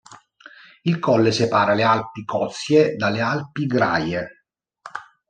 Il colle separa le Alpi Cozie dalle Alpi Graie.